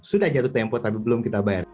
sudah jatuh tempo tapi belum kita bayar